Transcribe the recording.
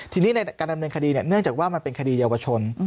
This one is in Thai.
ทีนี้ในการดำเนินคดีเนื่องจากว่ามันเป็นคดีเยาวชน